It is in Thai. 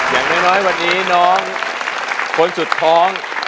อย่างน้อยวันนี้น้องคนสุดท้อง